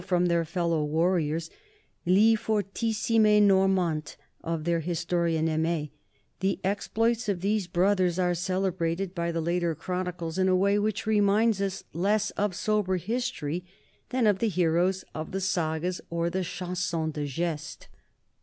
THE NORMANS IN THE SOUTH 201 their fellow warriors, li fortissime Normant of their his torian Aim, the exploits of these brothers are cele brated by the later chroniclers in a way which reminds us less of sober history than of the heroes of the sagas or the chansons de gestes.